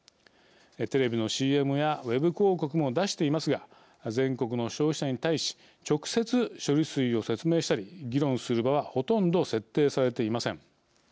テレビのＣＭやウェブ広告も出していますが全国の消費者に対し直接、処理水を説明したり議論する場はほとんど設定されていません。